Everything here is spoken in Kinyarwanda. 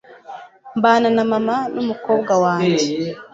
Mbana na mama n'umukobwa wanjye.